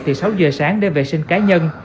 từ sáu giờ sáng để vệ sinh cá nhân